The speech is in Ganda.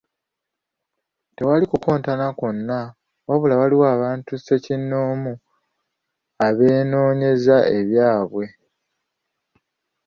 Ttewali kukontana kwonna wabula waliwo abantu ssekinnoomu abeenoonyeza ebyabwe.